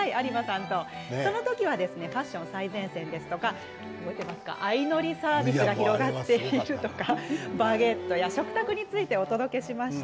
その時はファッションの最前線ですとか相乗りサービスバゲットや食卓についてお伝えしました。